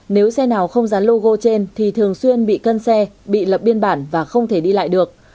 nếu xe nào không dán logo trên thì thường xuyên bị cân xe bị lập biên bản và không thể đi lại được